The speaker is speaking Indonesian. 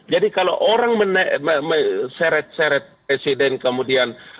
jadi kalau orang meneret seret presiden kemudian